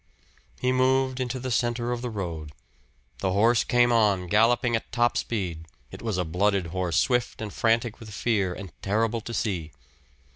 He moved into the center of the road. The horse came on, galloping at top speed; it was a blooded horse, swift and frantic with fear, and terrible to see.